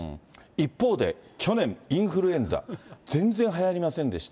一方で、去年、インフルエンザ、全然はやりませんでした。